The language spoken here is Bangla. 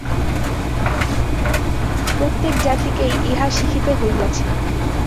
প্রত্যেক জাতিকেই ইহা শিখিতে হইয়াছে।